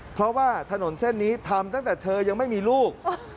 เพราะว่าถนนเส้นนี้ทำตั้งแต่เธอยังไม่มีลูก